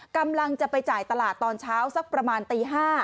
กำลังจะไปจ่ายตลาดตอนเช้าสักประมาณตี๕